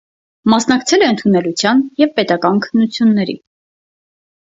Մասնակցել է ընդունելության և պետական քննությունների։